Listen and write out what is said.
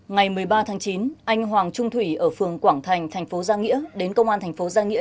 ngày một mươi ba tháng chín anh hoàng trung thủy ở phường quảng thành thành phố giang nghĩa đến công an thành phố giang nghĩa